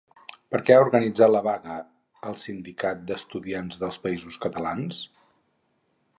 Per què ha organitzat la vaga el Sindicat d'Estudiants dels Països Catalans?